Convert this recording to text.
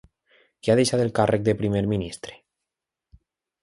Qui ha deixat el càrrec de primer ministre?